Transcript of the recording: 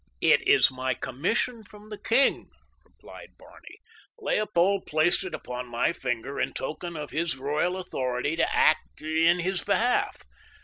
"It is my commission from the king," replied Barney. "Leopold placed it upon my finger in token of his royal authority to act in his behalf.